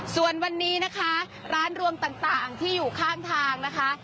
ส่วนวันนี้นะคะร้านรวมต่างที่อยู่ข้างทางนะคะ